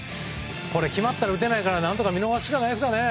これ、決まったら打てないから何とか見逃せないですかね。